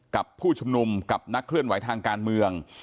กับผู้ชุมนุมกับนักเคลื่อนไหวทางการเมือง